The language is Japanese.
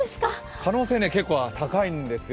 可能性、結構高いんですよ。